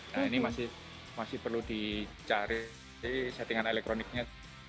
nah ini masih perlu dicari jadi settingan elektroniknya